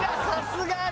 さすが！